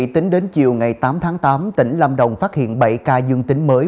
tính đến chiều ngày tám tháng tám tỉnh lâm đồng phát hiện bảy ca dương tính mới